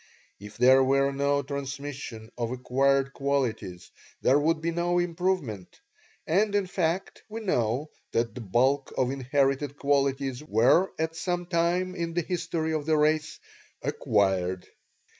If there were no transmission of acquired qualities there would be no improvement and in fact, we know that the bulk of inherited qualities were at some time in the history of the race "acquired."